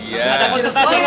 tanyakan ke dia